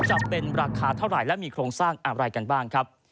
จะเป็นราคาเท่าไหร่และมีโครงสร้างอะไรกันบ้างครับ